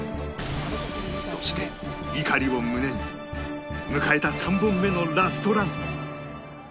そして怒りを胸に迎えた３本目のラストラン